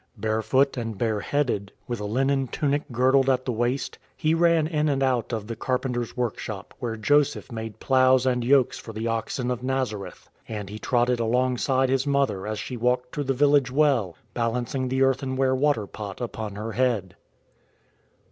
Bare foot and bareheaded, with a linen tunic girdled at the waist, He ran in and out of the carpenter's workshop where Joseph made ploughs and yokes for the oxen of Nazareth. And He trotted alongside His mother as she walked to the village well, balancing the earthen ware water pot upon her head.